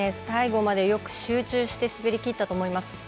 最後までよく集中して滑りきったと思います。